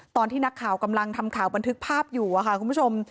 ตอนที่นักข่าวกำลังทำข่าวบันทึกภาพอยู่ค่ะคุณผู้ชม